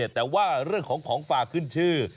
แต่ว่าเรื่องของของฝากขึ้นชื่อ